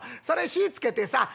それ火つけてさ